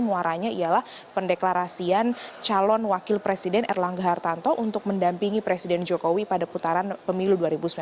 muaranya ialah pendeklarasian calon wakil presiden erlangga hartanto untuk mendampingi presiden jokowi pada putaran pemilu dua ribu sembilan belas